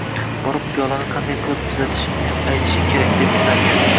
Borib piyolani qanday qilib tuzatishingni aytishing kerak, debdi navkar